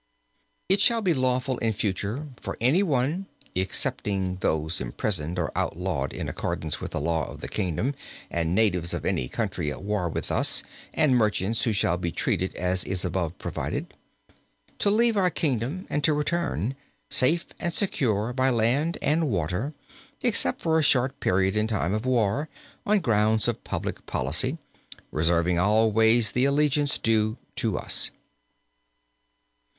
"It shall be lawful in future for any one (excepting always those imprisoned or outlawed in accordance with the law of the kingdom, and natives of any country at war with us, and merchants, who shall be treated as is above provided) to leave our kingdom, and to return, safe and secure by land and water, except for a short period in time of war, on grounds of public policy reserving always the allegiance due to us.